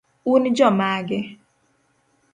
un jomage?